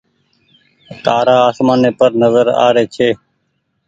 تآرآ آسمآني پر نزر آري ڇي۔